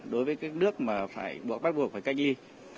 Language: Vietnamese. đối với các nước mà phải bắt buộc phải cách ly